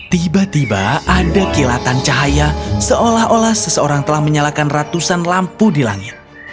tiba tiba ada kilatan cahaya seolah olah seseorang telah menyalakan ratusan lampu di langit